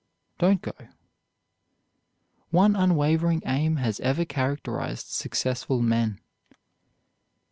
Don't go." One unwavering aim has ever characterized successful men.